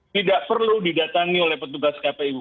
tidak perlu didatangi oleh petugas kpu